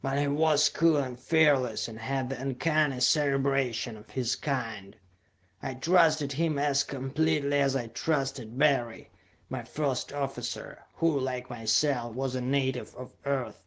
But he was cool and fearless and had the uncanny cerebration of his kind; I trusted him as completely as I trusted Barry, my first officer, who, like myself, was a native of Earth.